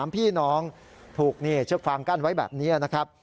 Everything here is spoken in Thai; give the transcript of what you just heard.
พี่น้องถูกเชือกฟางกั้นไว้แบบนี้นะครับ